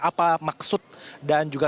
apa maksud dan juga